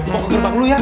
mau ke gerbang dulu ya